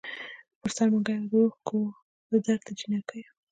پر سر منګي د اوښکـــــو وو د درد دجینکــــو